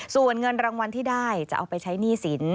ส่วนเงินรางวัลที่ได้จะเอาไปใช้หนี้สิน